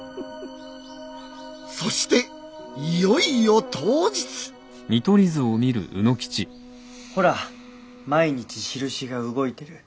そしていよいよ当日ほら毎日印が動いてる。